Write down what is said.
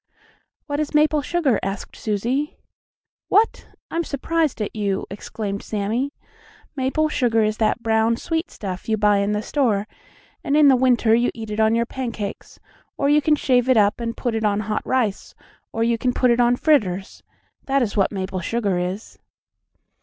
"What is maple sugar?" asked Susie. "What? I am surprised at you!" exclaimed Sammie. "Maple sugar is that brown, sweet stuff you buy in the store, and in the winter you eat it on your pancakes, or you can shave it up and put it on hot rice, or you can put it on fritters. That is what maple sugar is."